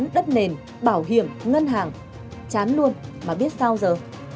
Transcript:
đất nền bảo hiểm ngân hàng chán luôn mà biết sao giờ